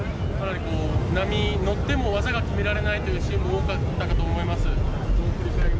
波に乗っても技が決められないというシーンも多かったかと思います。